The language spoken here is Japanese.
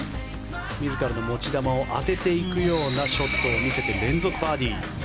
自らの持ち球を当てていくようなショットを見せて連続バーディー。